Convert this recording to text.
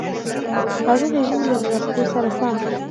راځئ، د ژمي له را رسېدو سره سم،